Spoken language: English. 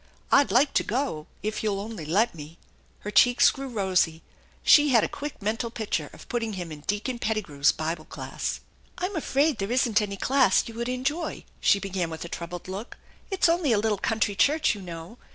I'd like to go if you'll only let me." Her cheeks grew rosy. She had a quick mental picture of putting him in Deacon Pettigrew's Bible class. "I'm afraid there isn't any class you would enjoy," she began with a troubled look. "Ifs only a little country church, you know.